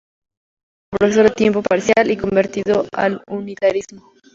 Trabajó como profesor de tiempo parcial, y convertido al unitarismo.